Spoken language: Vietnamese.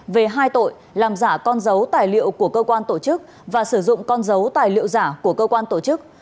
về hai tội làm giả con dấu tài liệu của cơ quan tổ chức và sử dụng con dấu tài liệu giả của cơ quan tổ chức